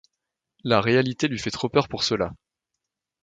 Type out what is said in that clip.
La réalité lui fait trop peur pour cela.